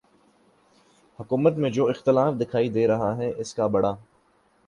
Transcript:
حکومت میں جو اختلاف دکھائی دے رہا ہے اس کا بڑا